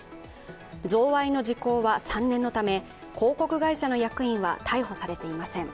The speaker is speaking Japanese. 贈賄の時効は３年のため広告会社の役員は逮捕されていません。